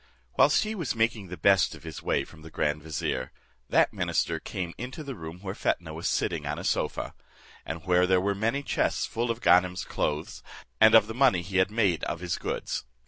Whilst he was making the best of his way from the grand vizier, that minister came into the room where Fetnah was sitting on a sofa, and where there were many chests full of Ganem's clothes, and of the money he had made of his goods.